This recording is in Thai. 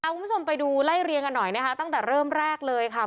คุณผู้ชมไปดูไล่เรียงกันหน่อยนะคะตั้งแต่เริ่มแรกเลยค่ะ